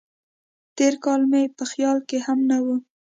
تېر کال مې په خیال کې هم نه و.